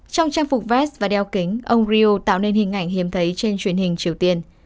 trong trang phục vest và đeo kính ông rio tạo nên hình ảnh hiếm thấy trên truyền hình triều tiên